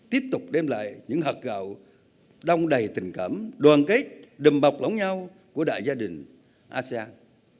tiếp tục đem lại những hạt gạo đông đầy tình cảm đoàn kết đầm bọc lõng nhau của đại gia đình asean